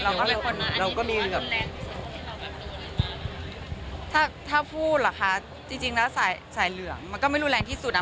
เราก็มีแบบถ้าพูดเหรอคะจริงแล้วสายเหลืองมันก็ไม่รุนแรงที่สุดอ่ะ